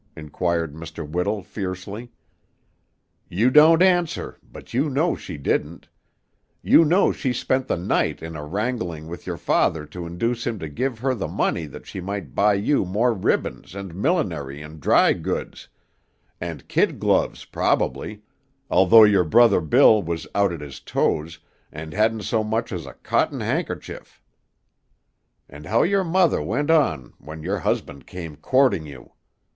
inquired Mr. Whittle fiercely. "You don't answer; but you know she didn't. You know she spent the night in wrangling with your father to induce him to give her money that she might buy you more ribbons and millinery and dry goods; and kid gloves, probably, although your brother Bill was out at his toes, and hadn't so much as a cotton handkercher; and how your mother went on when your husband came courting you!